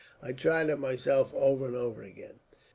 I've tried it myself, over and over again."